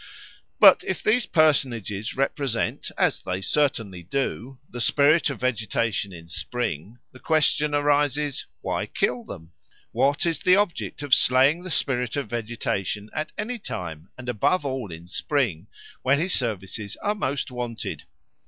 But if these personages represent, as they certainly do, the spirit of vegetation in spring, the question arises, Why kill them? What is the object of slaying the spirit of vegetation at any time and above all in spring, when his services are most wanted?